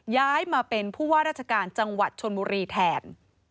ย้ายมาเป็นผู้ว่าราชการจังหวัดชนบุรีแทน